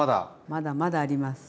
まだまだあります。